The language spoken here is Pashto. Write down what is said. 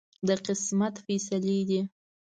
د قسمت فیصلې دي.